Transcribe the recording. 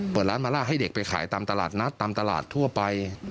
เปิดร้านมาล่าให้เด็กไปขายตามตลาดนัดตามตลาดทั่วไป